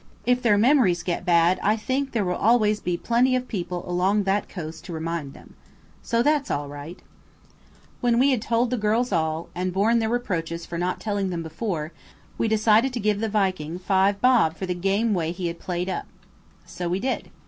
If their memories get bad I think there will always be plenty of people along that coast to remind them! So that's all right. When we had told the girls all, and borne their reproaches for not telling them before, we decided to give the Viking five bob for the game way he had played up. So we did.